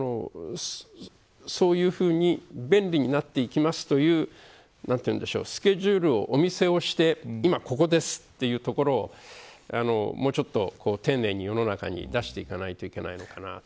そういうふうに便利になっていきますというスケジュールをお見せして今、ここですというところをもう少し丁寧に、世の中に出していかなきゃいけないのかな